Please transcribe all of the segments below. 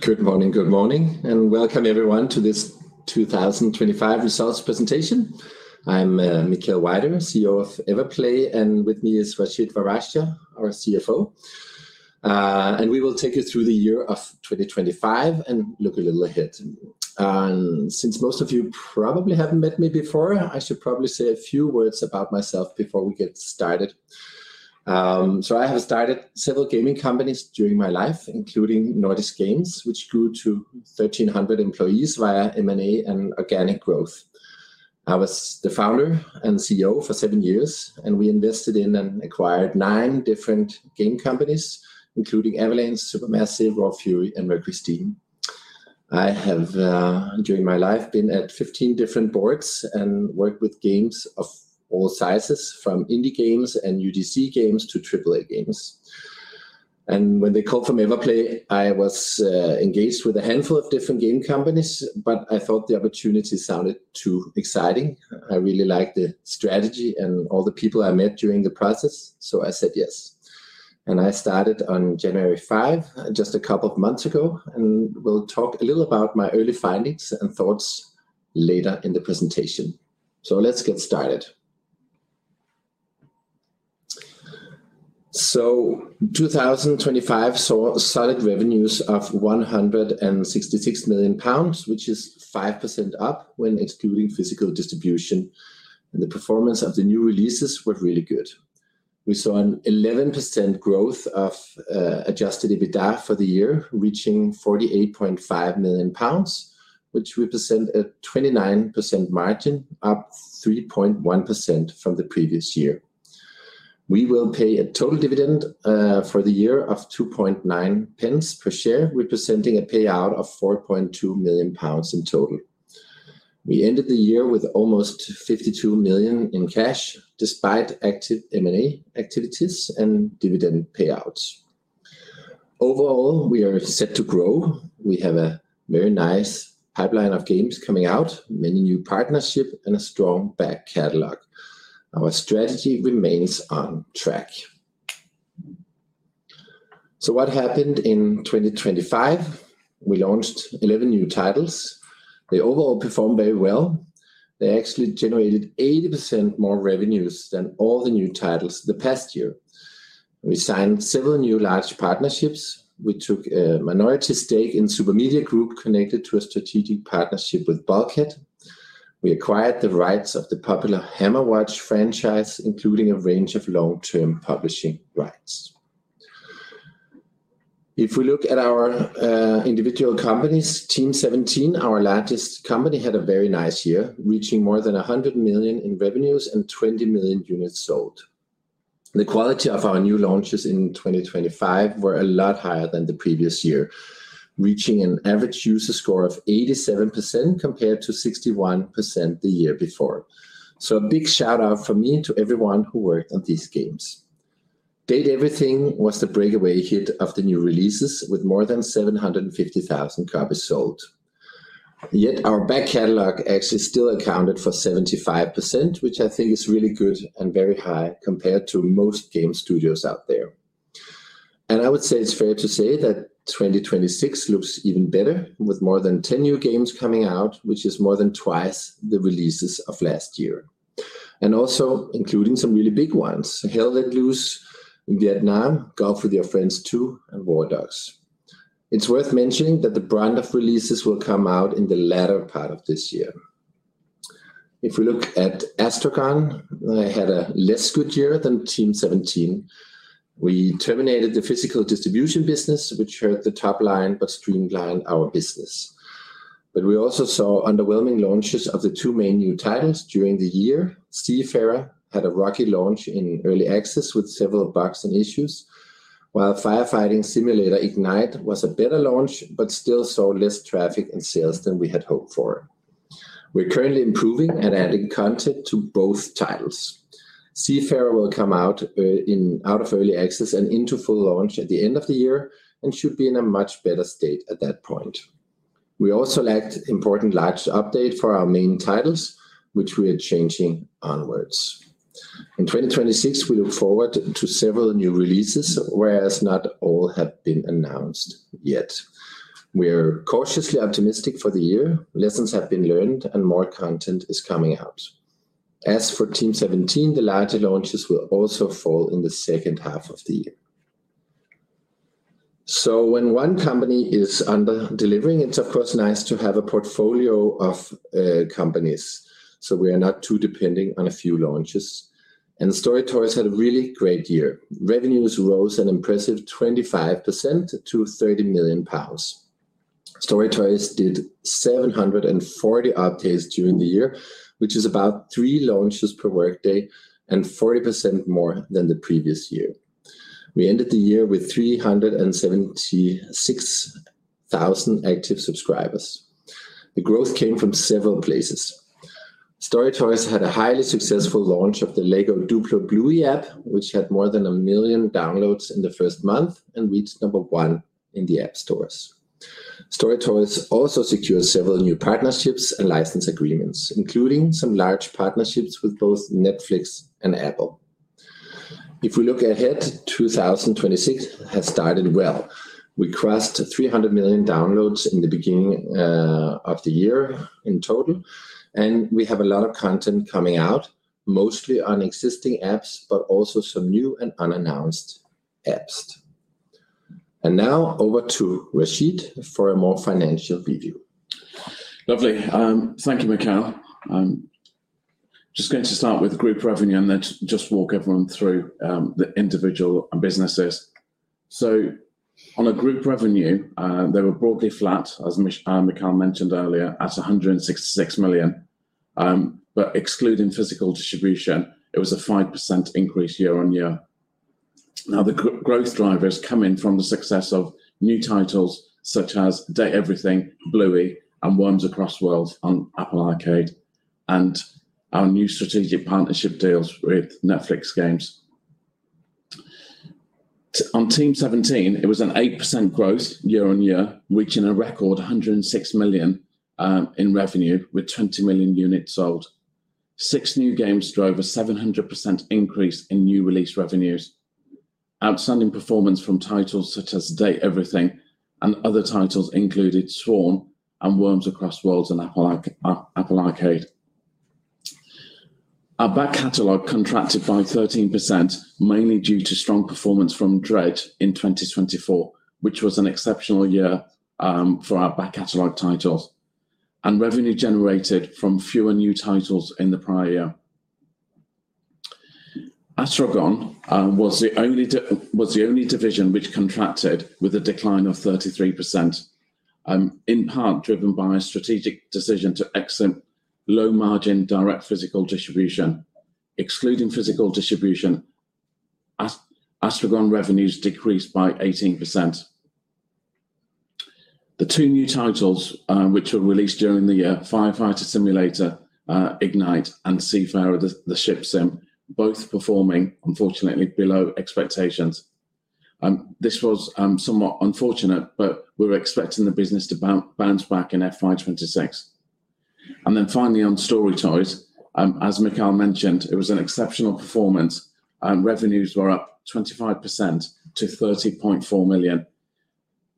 Good morning, and welcome everyone to this 2025 results presentation. I'm Mikkel Weider, CEO of Everplay Group, and with me is Rashid Varachia, our CFO. We will take you through the year of 2025 and look a little ahead. Since most of you probably haven't met me before, I should probably say a few words about myself before we get started. So I have started several gaming companies during my life, including Nordisk Games, which grew to 1,300 employees via M&A and organic growth. I was the founder and CEO for seven years, and we invested in and acquired nine different game companies, including Avalanche, Supermassive, Raw Fury, and MercurySteam. I have during my life been at 15 different boards and worked with games of all sizes, from indie games and AA games to AAA games. When they called from Everplay, I was engaged with a handful of different game companies, but I thought the opportunity sounded too exciting. I really liked the strategy and all the people I met during the process, so I said yes. I started on January 5, just a couple of months ago, and will talk a little about my early findings and thoughts later in the presentation. Let's get started. 2025 saw solid revenues of 166 million pounds, which is 5% up when excluding physical distribution, and the performance of the new releases were really good. We saw an 11% growth of adjusted EBITDA for the year, reaching 48.5 million pounds, which represent a 29% margin, up 3.1% from the previous year. We will pay a total dividend for the year of 2.9 pence per share, representing a payout of 4.2 million pounds in total. We ended the year with almost 52 million in cash, despite active M&A activities and dividend payouts. Overall, we are set to grow. We have a very nice pipeline of games coming out, many new partnership, and a strong back catalog. Our strategy remains on track. What happened in 2025? We launched 11 new titles. They overall performed very well. They actually generated 80% more revenues than all the new titles the past year. We signed several new large partnerships. We took a minority stake in SuperMedia Group connected to a strategic partnership with Bulkhead. We acquired the rights of the popular Hammerwatch franchise, including a range of long-term publishing rights. If we look at our individual companies, Team17, our largest company, had a very nice year, reaching more than 100 million in revenues and 20 million units sold. The quality of our new launches in 2025 were a lot higher than the previous year, reaching an average user score of 87% compared to 61% the year before. A big shout out from me to everyone who worked on these games. Date Everything was the breakaway hit of the new releases with more than 750,000 copies sold. Yet our back catalog actually still accounted for 75%, which I think is really good and very high compared to most game studios out there. I would say it's fair to say that 2026 looks even better with more than 10 new games coming out, which is more than twice the releases of last year. Also including some really big ones, Hell Let Loose: Vietnam, Golf With Your Friends 2, and WARDOGS. It's worth mentioning that the bulk of releases will come out in the latter part of this year. If we look at astragon, they had a less good year than Team17. We terminated the physical distribution business, which hurt the top line but streamlined our business. We also saw underwhelming launches of the two main new titles during the year. Seafarer had a rocky launch in early access with several bugs and issues, while Firefighting Simulator: Ignite was a better launch, but still saw less traffic and sales than we had hoped for. We're currently improving and adding content to both titles. Seafarer will come out of early access and into full launch at the end of the year and should be in a much better state at that point. We also lacked important large update for our main titles, which we are changing onwards. In 2026, we look forward to several new releases, whereas not all have been announced yet. We're cautiously optimistic for the year. Lessons have been learned and more content is coming out. As for Team17, the larger launches will also fall in the second half of the year. When one company is under-delivering, it's of course nice to have a portfolio of companies, so we are not too depending on a few launches. StoryToys had a really great year. Revenues rose an impressive 25% to 30 million pounds. StoryToys did 740 updates during the year, which is about three launches per workday and 40% more than the previous year. We ended the year with 376,000 active subscribers. The growth came from several places. StoryToys had a highly successful launch of the LEGO DUPLO Bluey app, which had more than 1 million downloads in the first month and reached number one in the App Stores. StoryToys also secured several new partnerships and license agreements, including some large partnerships with both Netflix and Apple. If we look ahead, 2026 has started well. We crossed 300 million downloads in the beginning of the year in total, and we have a lot of content coming out, mostly on existing apps, but also some new and unannounced apps. Now over to Rashid for a more financial review. Lovely. Thank you, Mikkel. I'm just going to start with group revenue and then just walk everyone through the individual businesses. On a group revenue, they were broadly flat, as Mikkel mentioned earlier, at 166 million. Excluding physical distribution, it was a 5% increase year-on-year. Now the growth drivers come in from the success of new titles such as Date Everything, Bluey, and Worms Across Worlds on Apple Arcade, and our new strategic partnership deals with Netflix Games. On Team17, it was an 8% growth year-on-year, reaching a record 106 million in revenue with 20 million units sold. Six new games drove a 700% increase in new release revenues. Outstanding performance from titles such as Date Everything and other titles included Swarm and Worms Across Worlds on Apple Arcade. Our back catalog contracted by 13%, mainly due to strong performance from Dredge in 2024, which was an exceptional year for our back catalog titles and revenue generated from fewer new titles in the prior year. astragon was the only division which contracted with a decline of 33%, in part driven by a strategic decision to exit low margin direct physical distribution. Excluding physical distribution, astragon revenues decreased by 18%. The two new titles which were released during the year, Firefighting Simulator: Ignite and Seafarer: The Ship Sim, both performing unfortunately below expectations. This was somewhat unfortunate, but we're expecting the business to bounce back in FY 2026. Finally on StoryToys, as Mikkel mentioned, it was an exceptional performance and revenues were up 25% to 30.4 million.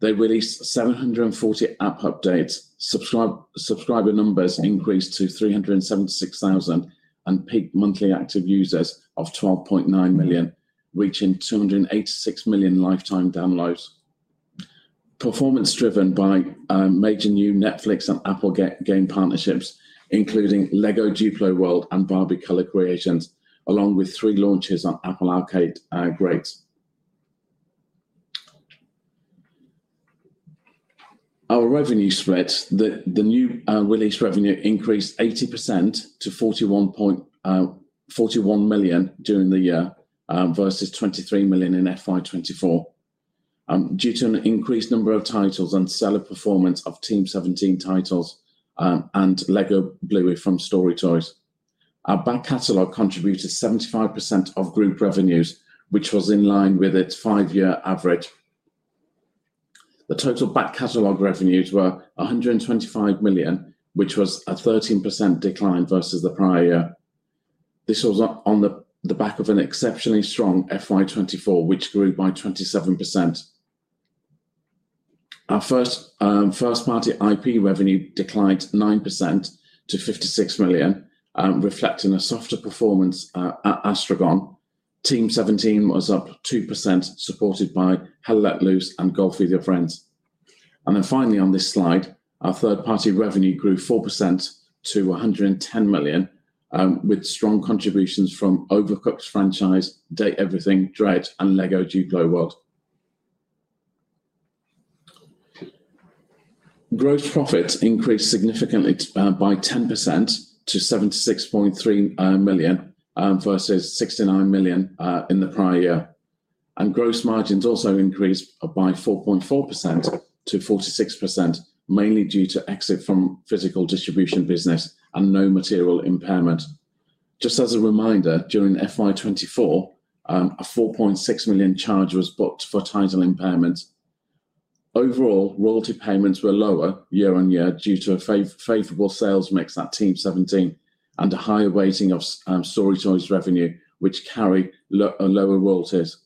They released 740 app updates, subscriber numbers increased to 376,000 and peak monthly active users of 12.9 million, reaching 286 million lifetime downloads. Performance driven by major new Netflix and Apple Games partnerships, including LEGO DUPLO WORLD and Barbie Color Creations, along with three launches on Apple Arcade games. Our new release revenue increased 80% to 41 million during the year versus 23 million in FY 2024 due to an increased number of titles and stellar performance of Team17 titles and LEGO Bluey from StoryToys. Our back catalog contributed 75% of group revenues, which was in line with its five-year average. The total back catalog revenues were 125 million, which was a 13% decline versus the prior year. This was on the back of an exceptionally strong FY 2024, which grew by 27%. Our first-party IP revenue declined 9% to 56 million, reflecting a softer performance at astragon. Team17 was up 2%, supported by Hell Let Loose and Golf With Your Friends. Finally on this slide, our third-party revenue grew 4% to 110 million, with strong contributions from Overcooked franchise, Date Everything, Dredge, and LEGO DUPLO WORLD. Gross profit increased significantly by 10% to 76.3 million versus 69 million in the prior year. Gross margins also increased by 4.4% to 46%, mainly due to exit from physical distribution business and no material impairment. Just as a reminder, during FY 2024, a 4.6 million charge was booked for title impairment. Overall, royalty payments were lower year-on-year due to a favorable sales mix at Team17 and a higher weighting of StoryToys revenue, which carry lower royalties.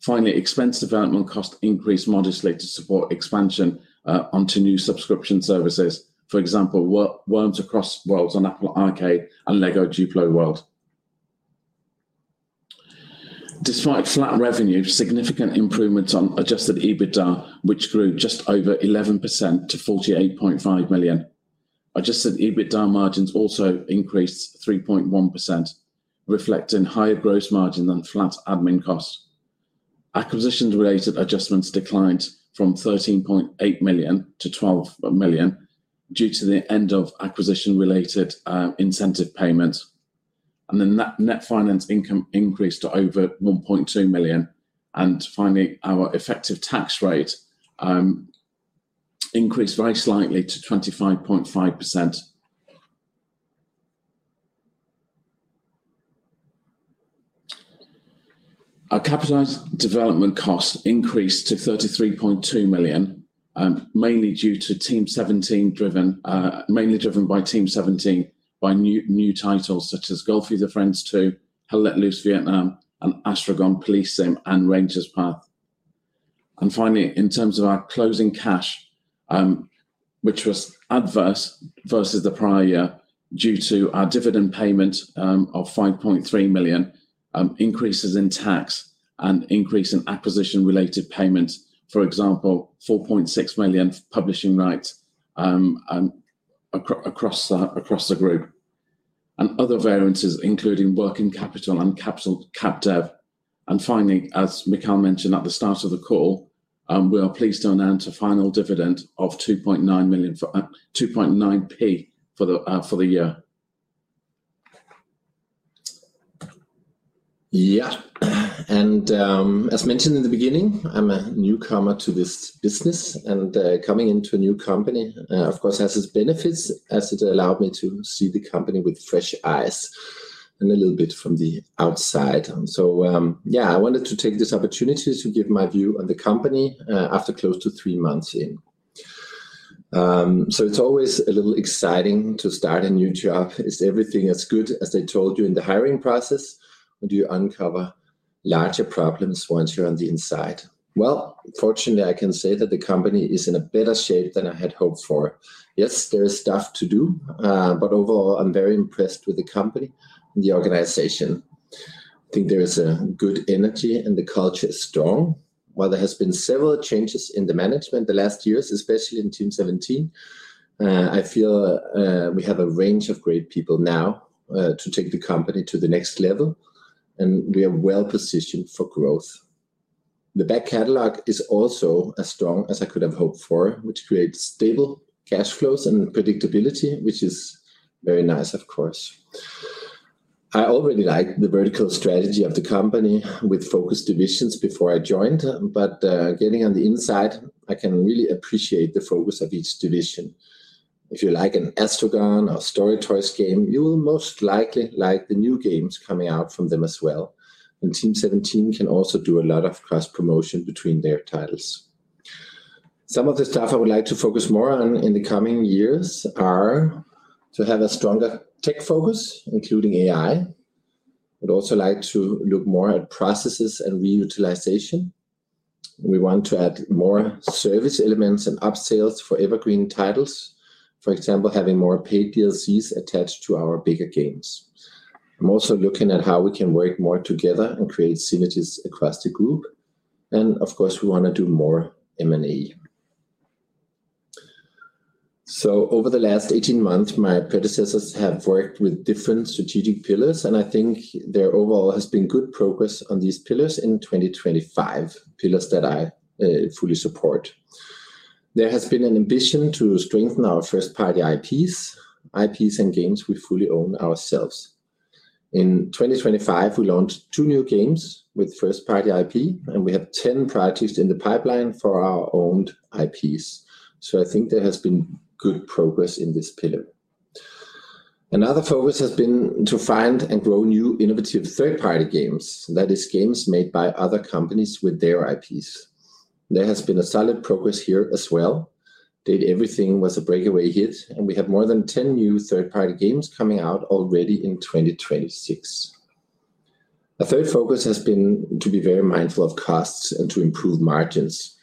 Finally, development costs increased modestly to support expansion onto new subscription services, for example, Worms Across Worlds on Apple Arcade and LEGO DUPLO WORLD. Despite flat revenue, significant improvements on adjusted EBITDA, which grew just over 11% to 48.5 million. Adjusted EBITDA margins also increased 3.1%, reflecting higher gross margin than flat admin costs. Acquisitions related adjustments declined from 13.8 million to 12 million due to the end of acquisition related incentive payments. Net finance income increased to over 1.2 million. Finally, our effective tax rate increased very slightly to 25.5%. Our capitalized development costs increased to 33.2 million, mainly driven by Team17 by new titles such as Golf With Your Friends 2, Hell Let Loose: Vietnam, and astragon Police Simulator: Patrol Officers and Ranger's Path. Finally, in terms of our closing cash, which was adverse versus the prior year, due to our dividend payment of 5.3 million, increases in tax and increase in acquisition-related payments, for example, 4.6 million publishing rights across the group, and other variances, including working capital and capital capex. Finally, as Mikkel mentioned at the start of the call, we are pleased to announce a final dividend of 2.9p for the year. As mentioned in the beginning, I'm a newcomer to this business, and coming into a new company, of course, has its benefits as it allowed me to see the company with fresh eyes and a little bit from the outside. I wanted to take this opportunity to give my view on the company, after close to three months in. It's always a little exciting to start a new job. Is everything as good as they told you in the hiring process, or do you uncover larger problems once you're on the inside? Well, fortunately, I can say that the company is in a better shape than I had hoped for. Yes, there is stuff to do, but overall, I'm very impressed with the company and the organization. I think there is a good energy, and the culture is strong. While there has been several changes in the management the last years, especially in Team17, I feel, we have a range of great people now, to take the company to the next level, and we are well-positioned for growth. The back catalog is also as strong as I could have hoped for, which creates stable cash flows and predictability, which is very nice, of course. I already like the vertical strategy of the company with focused divisions before I joined, but, getting on the inside, I can really appreciate the focus of each division. If you like an Astragon or StoryToys game, you will most likely like the new games coming out from them as well. Team17 can also do a lot of cross-promotion between their titles. Some of the stuff I would like to focus more on in the coming years are to have a stronger tech focus, including AI. I'd also like to look more at processes and reutilization. We want to add more service elements and upsales for evergreen titles. For example, having more paid DLCs attached to our bigger games. I'm also looking at how we can work more together and create synergies across the group. Of course, we want to do more M&A. Over the last 18 months, my predecessors have worked with different strategic pillars, and I think there overall has been good progress on these pillars in 2025, pillars that I fully support. There has been an ambition to strengthen our first-party IPs and games we fully own ourselves. In 2025, we launched two new games with first-party IP, and we have 10 projects in the pipeline for our owned IPs. I think there has been good progress in this pillar. Another focus has been to find and grow new innovative third-party games, that is games made by other companies with their IPs. There has been solid progress here as well, not everything was a breakaway hit, and we have more than 10 new third-party games coming out already in 2026. A third focus has been to be very mindful of costs and to improve margins.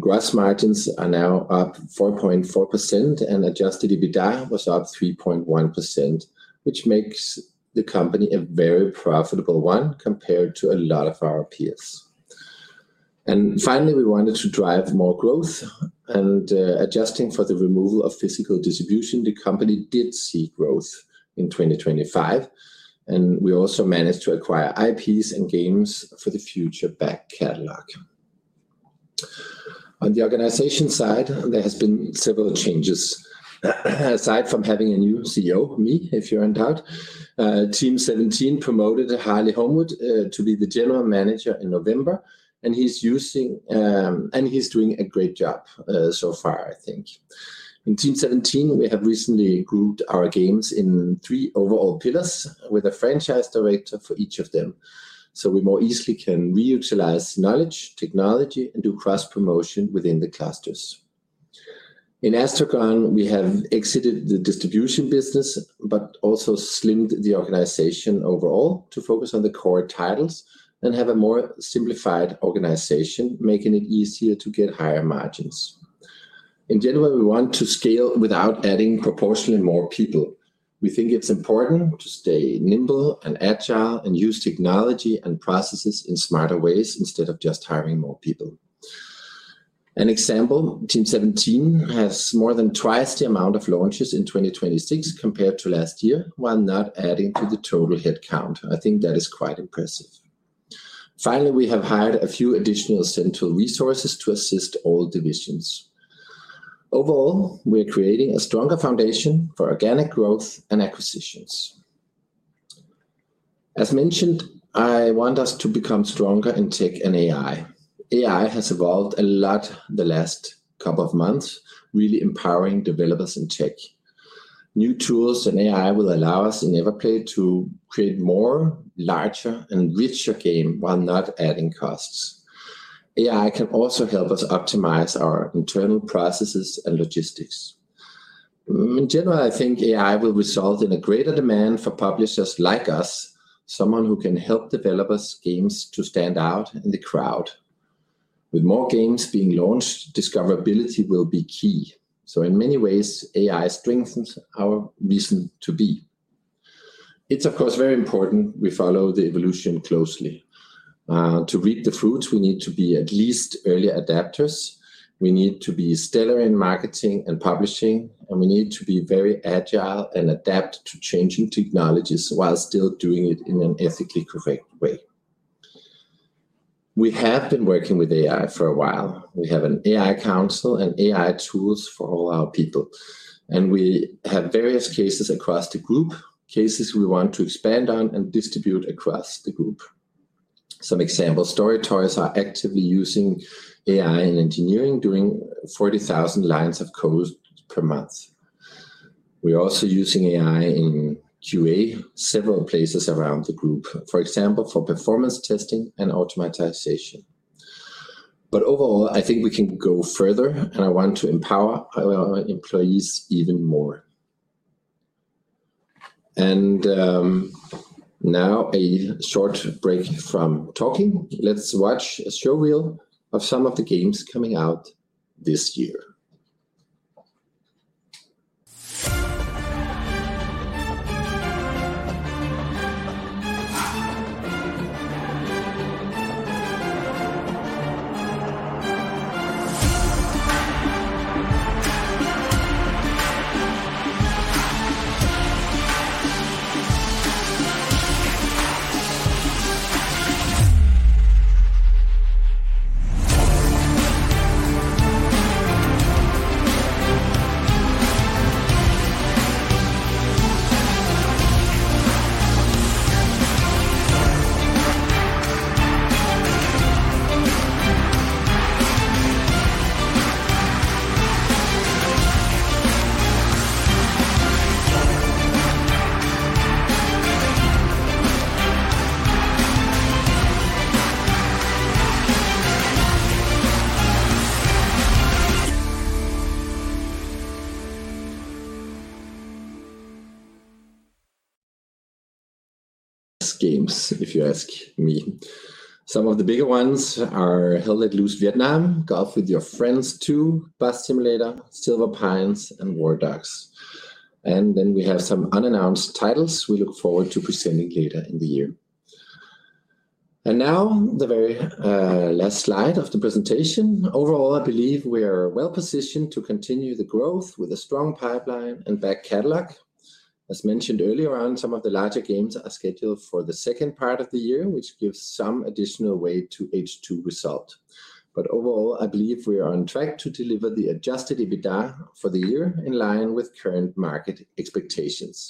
Gross margins are now up 4.4%, and adjusted EBITDA was up 3.1%, which makes the company a very profitable one compared to a lot of our peers. Finally, we wanted to drive more growth and, adjusting for the removal of physical distribution, the company did see growth in 2025, and we also managed to acquire IPs and games for the future back catalog. On the organization side, there has been several changes. Aside from having a new CEO, me, if you're in doubt, Team17 promoted Harley Homewood to be the General Manager in November, and he's doing a great job so far, I think. In Team17, we have recently grouped our games in three overall pillars with a franchise director for each of them, so we more easily can reutilize knowledge, technology, and do cross-promotion within the clusters. In Astragon, we have exited the distribution business but also slimmed the organization overall to focus on the core titles and have a more simplified organization, making it easier to get higher margins. In general, we want to scale without adding proportionally more people. We think it's important to stay nimble and agile and use technology and processes in smarter ways instead of just hiring more people. An example, Team17 has more than twice the amount of launches in 2026 compared to last year, while not adding to the total head count. I think that is quite impressive. Finally, we have hired a few additional central resources to assist all divisions. Overall, we are creating a stronger foundation for organic growth and acquisitions. As mentioned, I want us to become stronger in tech and AI. AI has evolved a lot the last couple of months, really empowering developers in tech. New tools in AI will allow us in Everplay to create more larger and richer game while not adding costs. AI can also help us optimize our internal processes and logistics. In general, I think AI will result in a greater demand for publishers like us, someone who can help developers' games to stand out in the crowd. With more games being launched, discoverability will be key. In many ways, AI strengthens our reason to be. It's, of course, very important we follow the evolution closely. To reap the fruits, we need to be at least early adopters. We need to be stellar in marketing and publishing, and we need to be very agile and adapt to changing technologies while still doing it in an ethically correct way. We have been working with AI for a while. We have an AI council and AI tools for all our people, and we have various cases across the group, cases we want to expand on and distribute across the group. Some examples, StoryToys are actively using AI in engineering, doing 40,000 lines of code per month. We're also using AI in QA several places around the group, for example, for performance testing and automation. But overall, I think we can go further, and I want to empower our employees even more. Now a short break from talking. Let's watch a showreel of some of the games coming out this year. Games, if you ask me. Some of the bigger ones are Hell Let Loose: Vietnam, Golf With Your Friends 2, Bus Simulator, Silver Pines, and WARDOGS. We have some unannounced titles we look forward to presenting later in the year. Now the very, last slide of the presentation. Overall, I believe we are well-positioned to continue the growth with a strong pipeline and back catalog. As mentioned earlier on, some of the larger games are scheduled for the second part of the year, which gives some additional weight to H2 result. Overall, I believe we are on track to deliver the adjusted EBITDA for the year in line with current market expectations.